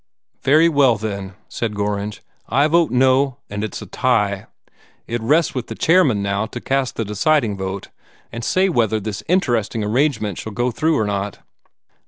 "Very well, then," said Gorringe. "I vote no, and it's a tie. It rests with the chairman now to cast the deciding vote, and say whether this interesting arrangement shall go through or not."